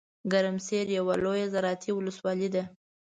ګرمسیر یوه لویه زراعتي ولسوالۍ ده .